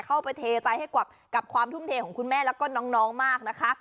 เข้าไปเทใจให้กับความทุ่มเทของคุณแม่แล้วก็น้องมากนะคะ